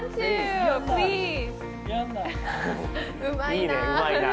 うまいな。